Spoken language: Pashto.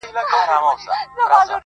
چي مغلوبه سي تیاره رڼا ځلېږي,